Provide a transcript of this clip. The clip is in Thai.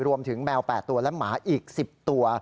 รวมถึงแมว๘ตัวและหมาอีก๑๐ตัว